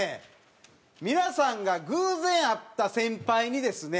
皆さんが偶然会った先輩にですね